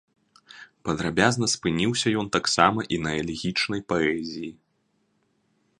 Падрабязна спыніўся ён таксама і на элегічнай паэзіі.